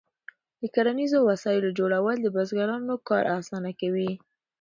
د کرنیزو وسایلو جوړول د بزګرانو کار اسانه کوي.